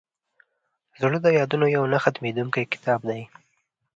زړه د یادونو یو نه ختمېدونکی کتاب دی.